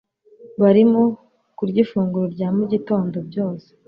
barimo kurya ifunguro rya mugitondo byose-